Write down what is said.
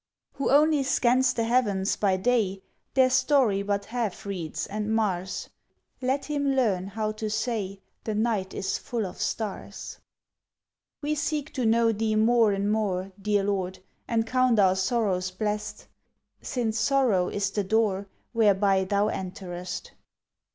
Who only scans the heavens by day Their story but half reads, and mars; Let him learn how to say, "The night is full of stars!" We seek to know Thee more and more, Dear Lord, and count our sorrows blest, Since sorrow is the door Whereby Thou enterest.